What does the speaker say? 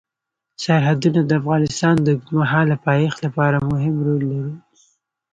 سرحدونه د افغانستان د اوږدمهاله پایښت لپاره مهم رول لري.